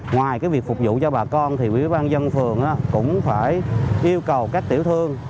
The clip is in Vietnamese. ngoài việc phục vụ cho bà con thì quỹ ban dân phường cũng phải yêu cầu các tiểu thương